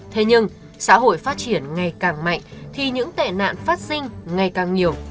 thế nhưng xã hội phát triển ngày càng mạnh thì những tệ nạn phát sinh ngày càng nhiều